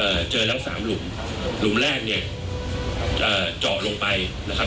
เจอแล้วสามหลุมหลุมแรกเนี้ยเอ่อเจาะลงไปนะครับ